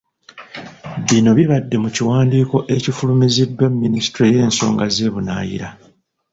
Bino bibadde mu kiwandiiko ekifulumiziddwa minisitule y'ensonga z'ebunaayira.